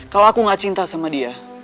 kalau aku gak cinta sama dia